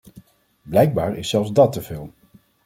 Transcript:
Blijkbaar is zelfs dat te veel.